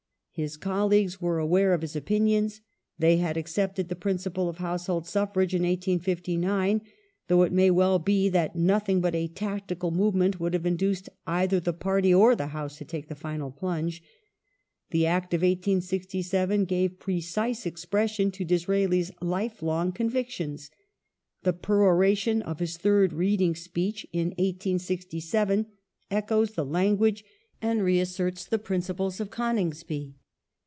His colleagues were aware of his opinions ; they had accepted the principle of household suffrage in 1859,^ though it may well be that nothing but a tactical movement would have induced either the party or the House to take the final plunge. The Act of 1867 gave precise expression to Disra^i's life long con victions. The peroration of his third reading speech in 1867 echoes the language and reasserts the principles of Goningshy.